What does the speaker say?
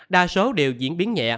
đa số đều diễn biến nhẹ